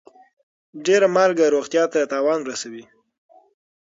ډيره مالګه روغتيا ته تاوان رسوي.